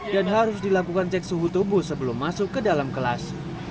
dan harus dilakukan cek suhu tubuh sebelum masuk ke dalam kelas